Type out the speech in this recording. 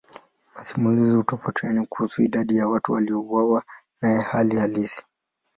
Masimulizi hutofautiana kuhusu idadi ya watu waliouawa naye hali halisi.